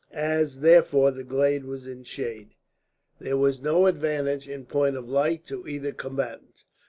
As, therefore, the glade was in shade, there was no advantage, in point of light, to either combatant.